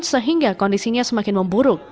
sehingga kondisinya semakin memburuk